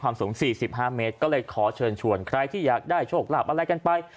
ความสูงสี่สิบห้าเมตรก็เลยขอเชิญชวนใครที่อยากได้โชคหลับอะไรกันไป